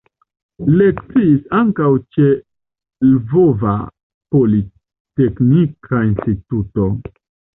Lekciis ankaŭ ĉe Lvova Politeknika Instituto.